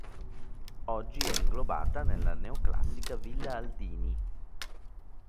Oggi è inglobata nella neoclassica Villa Aldini..